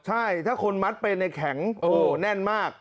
ใช่ถ้าคนมัดเป็นในแข็งแน่นมาก